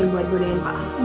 buat godein pak al